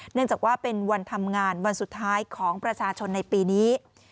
เนื่องจากว่าเป็นวันทำงานวันสุดท้ายของประชาชนในปีนี้